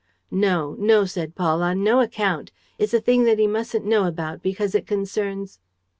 "No, no," said Paul, "on no account! It's a thing that he mustn't know about, because it concerns.